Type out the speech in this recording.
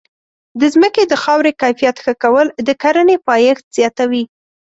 د ځمکې د خاورې کیفیت ښه کول د کرنې پایښت زیاتوي.